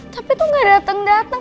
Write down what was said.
tapi tuh gak dateng dateng